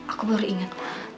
aku baru ingat